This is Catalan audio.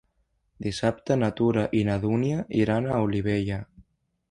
Dissabte na Tura i na Dúnia iran a Olivella.